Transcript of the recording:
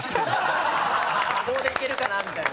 棒でいけるかなみたいな。